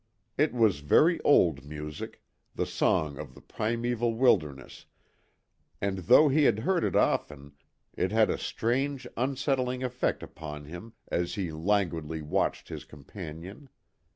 It was very old music, the song of the primeval wilderness, and though he had heard it often, it had a strange, unsettling effect upon him as he languidly watched his companion.